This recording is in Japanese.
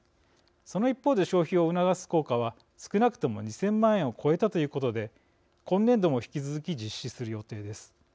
その一方で、消費を促す効果は少なくとも２０００万円を超えたということで今年度も引き続き実施する予定です。